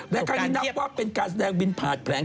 และครั้งนี้นับว่าเป็นการแสดงบินผ่านแผลง